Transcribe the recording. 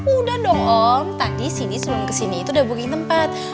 udah dong om tadi sini sebelum kesini itu udah booking tempat